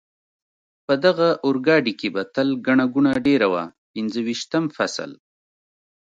په دغه اورګاډي کې به تل ګڼه ګوڼه ډېره وه، پنځه ویشتم فصل.